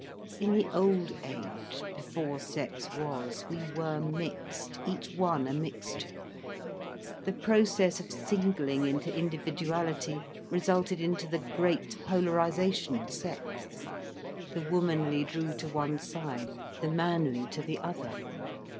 In the old age, before sex was, we were mixed, each one a mixture. The process of singling into individuality resulted into the great polarisation of sex. The womanly drew to one side, the manly to the other.